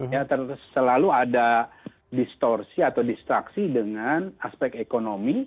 ya selalu ada distorsi atau distraksi dengan aspek ekonomi